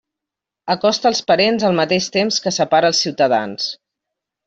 Acosta els parents al mateix temps que separa els ciutadans.